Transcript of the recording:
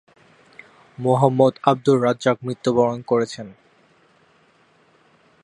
মোহাম্মদ আবদুর রাজ্জাক মৃত্যুবরণ করেছেন।